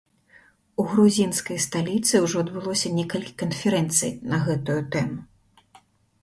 У грузінскай сталіцы ўжо адбылося некалькі канферэнцый на гэтую тэму.